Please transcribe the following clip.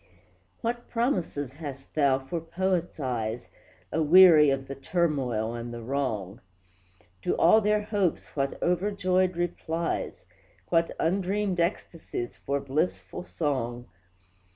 What promises hast thou for Poets' eyes, Aweary of the turmoil and the wrong! To all their hopes what overjoyed replies! What undreamed ecstasies for blissful song!